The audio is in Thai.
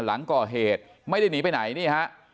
หลังก่อเหตุไม่ได้หนีไปไหนนี่ฮะ